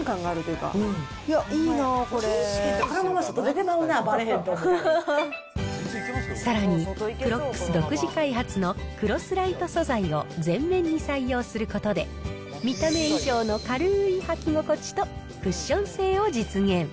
このまま外出てまうな、さらに、クロックス独自開発のクロスライト素材を全面に採用することで、見た目以上の軽ーい履き心地とクッション性を実現。